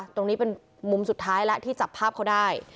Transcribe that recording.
ตรงนี้เป็นมุมสุดท้ายแล้วที่จับภาพเขาได้